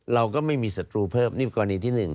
เราก็ไม่มีศัตรูเพิ่มนี่กรณีที่๑